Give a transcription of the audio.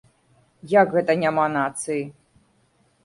Як гэта няма нацыі?!